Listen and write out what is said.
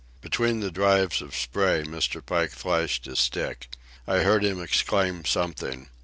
Between the drives of spray Mr. Pike flashed his stick. I heard him exclaim something.